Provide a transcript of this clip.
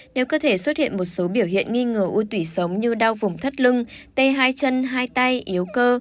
nếu cơ thể xuất hiện một số biểu hiện nghi ngờ u tủy sống như đau vùng thất lưng tê hai chân hai tay yếu cơ